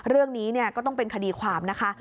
เรื่องนี้ก็ต้องเป็นคดีความนะคะ